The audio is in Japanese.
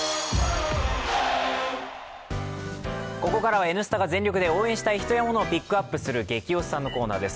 ここからは「Ｎスタ」が全力で応援したい人やものをピックアップする「ゲキ推しさん」のコーナーです。